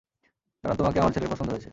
কারণ তোমাকে আমার ছেলের পছন্দ হয়েছে।